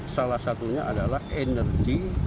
salah satunya adalah energi